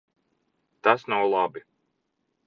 Tas nav labi.